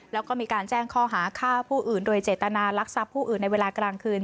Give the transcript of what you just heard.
แล้วก็มีการแจ้งข้อหาฆ่าผู้อื่นโดยเจตนารักทรัพย์ผู้อื่นในเวลากลางคืน